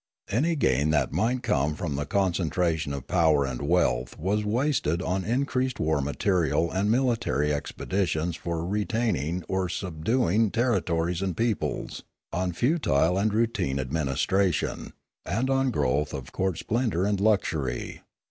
Any gain that might come from the concentration of power and wealth was wasted on increased war material and mili tary expeditions for retaining or subduing territories and peoples, on futile and routine administration, and on growth of court splendour and luxury.